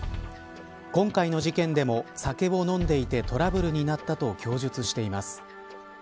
今回の事件でも酒を飲んでいてトラブルになったと供述しています。